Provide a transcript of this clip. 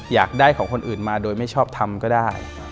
อยากได้ของคนอื่นมาโดยไม่ชอบทำก็ได้